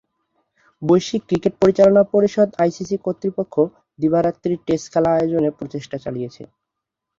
বৈশ্বিক ক্রিকেট পরিচালনা পরিষদ আইসিসি কর্তৃপক্ষ দিবা-রাত্রির টেস্ট খেলা আয়োজনের প্রচেষ্টা চালিয়েছে।